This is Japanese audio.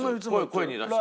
声に出して。